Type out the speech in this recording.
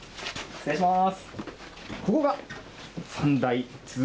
お願いします。